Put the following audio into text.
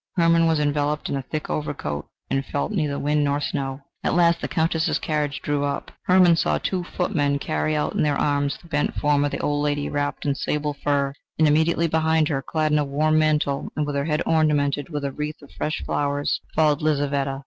Hermann was enveloped in a thick overcoat, and felt neither wind nor snow. At last the Countess's carriage drew up. Hermann saw two footmen carry out in their arms the bent form of the old lady, wrapped in sable fur, and immediately behind her, clad in a warm mantle, and with her head ornamented with a wreath of fresh flowers, followed Lizaveta.